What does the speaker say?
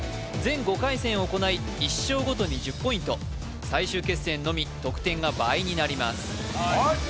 全５回戦を行い１勝ごとに１０ポイント最終決戦のみ得点が倍になります